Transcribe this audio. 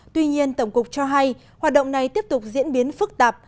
tuy nhiên tổng cục cho hay hoạt động này tiếp tục diễn biến phức tạp